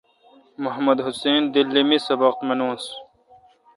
محمد حسین دیلی می سبق منس۔